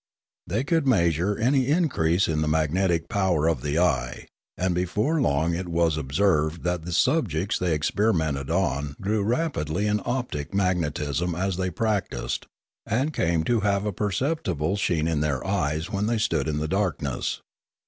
They could measure any increase in the magnetic power of the eye; and before long it was observed that the subjects they experimented on grew rapidly in optic magnetism as they practised, and came to have a perceptible sheen in their eyes when they stood in the darkness.